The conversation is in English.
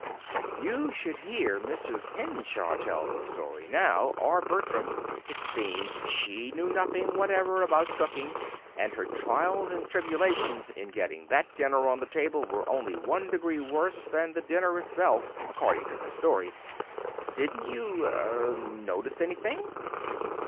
"But you should hear Mrs. Henshaw tell the story now, or Bertram. It seems she knew nothing whatever about cooking, and her trials and tribulations in getting that dinner on to the table were only one degree worse than the dinner itself, according to her story. Didn't you er notice anything?"